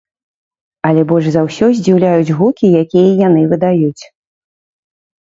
Але больш за ўсё здзіўляюць гукі, якія яны выдаюць.